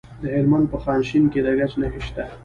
د هلمند په خانشین کې د ګچ نښې شته.